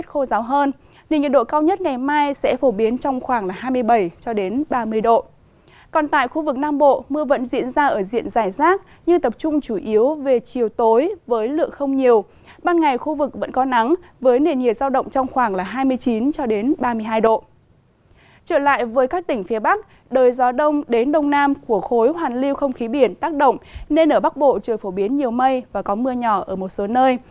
trở lại với các tỉnh phía bắc đời gió đông đến đông nam của khối hoàn lưu không khí biển tác động nên ở bắc bộ trời phổ biến nhiều mây và có mưa nhỏ ở một số nơi